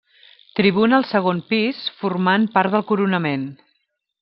Tribuna al segon pis, formant part del coronament.